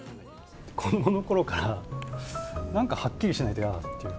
子どものころから、なんかはっきりしないと嫌だっていう。